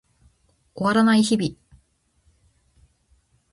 終わらない日々